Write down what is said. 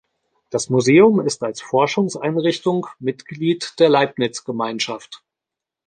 Das Museum ist als Forschungseinrichtung Mitglied der Leibniz-Gemeinschaft.